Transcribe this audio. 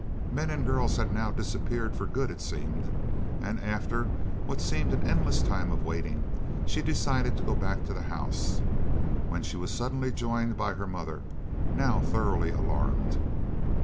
Men and girls had now disappeared for good it seemed, and, after what seemed an endless time of waiting, she decided to go back to the house, when she was suddenly joined by her mother, now thoroughly alarmed.